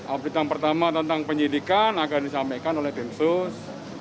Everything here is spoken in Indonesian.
update yang pertama tentang penyidikan akan disampaikan oleh tim sus